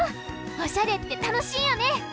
おしゃれってたのしいよね！